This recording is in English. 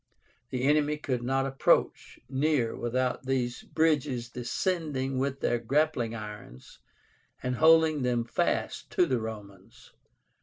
The enemy could not approach near without these bridges descending with their grappling irons and holding them fast to the Romans.